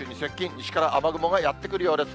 西から雨雲がやって来るようです。